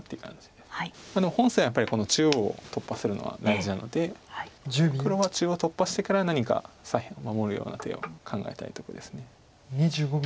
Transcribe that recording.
でも本線はやっぱりこの中央を突破するのは大事なので黒は中央突破してから何か左辺守るような手を考えたいとこです。